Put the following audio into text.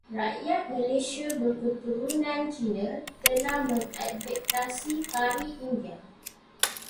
Rakyat Malaysia berketurunan Cina telah mengadaptasi Kari India.